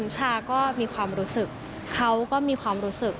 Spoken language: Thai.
ชาก็มีความรู้สึกเขาก็มีความรู้สึก